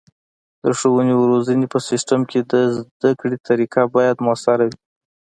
د ښوونې او روزنې په سیستم کې د زده کړې طریقه باید مؤثره وي.